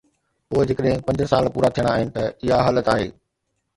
پوءِ جيڪڏهن پنج سال پورا ٿيڻا آهن ته اها حالت آهي.